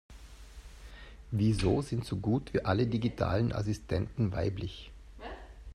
Wieso sind so gut wie alle digitalen Assistenten weiblich?